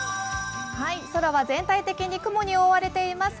空は全体的に雲に覆われています。